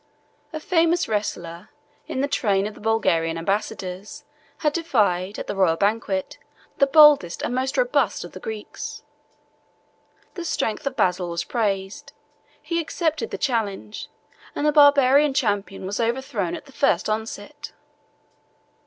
A famous wrestler, in the train of the Bulgarian ambassadors, had defied, at the royal banquet, the boldest and most robust of the Greeks. The strength of Basil was praised; he accepted the challenge; and the Barbarian champion was overthrown at the first onset.